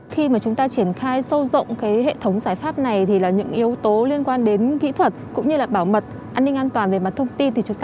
khi mà chúng ta triển khai sâu rộng cái hệ thống giải pháp này thì là những yếu tố liên quan đến kỹ thuật cũng như là bảo mật an ninh an toàn về mặt thông tin